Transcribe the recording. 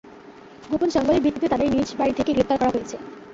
গোপন সংবাদের ভিত্তিতে তাঁদের নিজ নিজ বাড়ি থেকে গ্রেপ্তার করা হয়েছে।